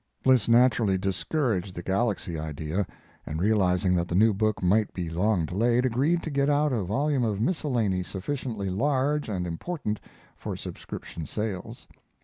Bliss naturally discouraged the Galaxy idea, and realizing that the new book might be long delayed, agreed to get out a volume of miscellany sufficiently large and important for subscription sales.